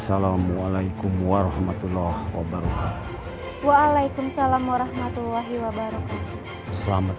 assalamualaikum warahmatullah wabarakatuh waalaikumsalam warahmatullahi wabarakatuh selamat